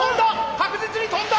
確実に跳んだ！